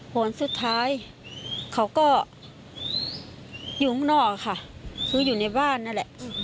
หวนสุดท้ายเขาก็อยู่ข้างนอกค่ะคืออยู่ในบ้านนั่นแหละ